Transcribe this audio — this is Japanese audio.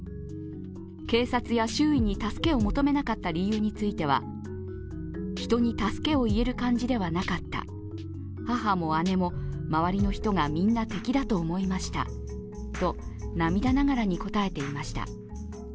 警察や周囲に助けを求めなかった理由については人に助けを言える感じではなかった母も姉も周りの人がみんな敵だと思いましたと涙ながらに答えていました。